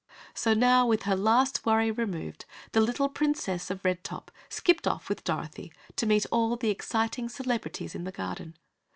So now, with her last worry removed, the little Princess of Red Top skipped off with Dorothy to meet all the exciting celebrities in the garden.